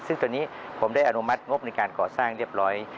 ซึ่งตอนนี้ผมได้อนุมัติงบในการก่อสร้างเรียบร้อย